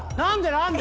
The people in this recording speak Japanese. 何で？